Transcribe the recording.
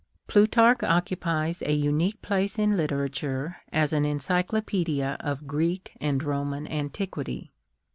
Plutarch occupies a unique place in literature as an encyclo pgedia of Greek and Roman antiquity.